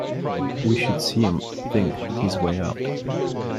We should see him think his way out.